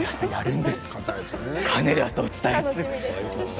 カヌレあしたお伝えします。